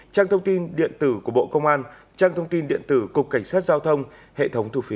trang thông tin điện tử của bộ công an trang thông tin điện tử cục cảnh sát giao thông hệ thống thu phí